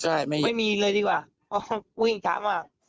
ใช่ไม่มีเลยดีกว่าวิ่งช้ามาก